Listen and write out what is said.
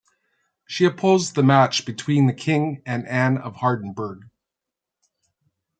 She opposed the match between the king and Anne of Hardenberg.